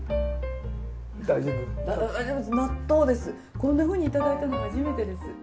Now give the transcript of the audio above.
こんな風にいただいたの初めてです。